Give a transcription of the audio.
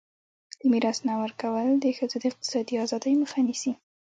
د میراث نه ورکول د ښځو د اقتصادي ازادۍ مخه نیسي.